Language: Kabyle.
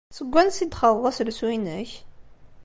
Seg wansi i d-txaḍeḍ aselsu-inek?